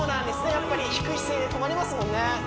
やっぱり低い姿勢で止まりますもんね